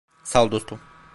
Sağ ol dostum.